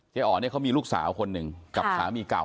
อ๋อเนี่ยเขามีลูกสาวคนหนึ่งกับสามีเก่า